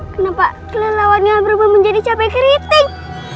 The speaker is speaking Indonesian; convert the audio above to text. kenapa kelelawannya berubah menjadi capek keriting